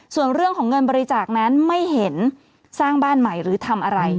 ส่วนเรื่องของเงินบริจาคนั้นไม่เห็นสร้างบ้านใหม่หรือทำอะไร